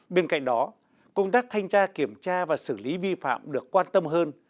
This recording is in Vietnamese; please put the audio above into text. bên cạnh đó công tác thanh tra kiểm tra và xử lý vi phạm được quan tâm hơn